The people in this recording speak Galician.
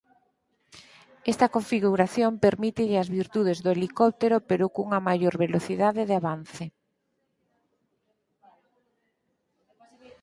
Esta configuración permítelle as virtudes do helicóptero pero cunha maior velocidade de avance.